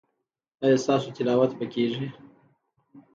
ایا ستاسو تلاوت به کیږي؟